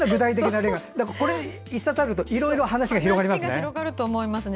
これ１冊あるといろいろ話が広がりますね。